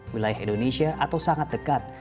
wilayah indonesia atau sangat dekat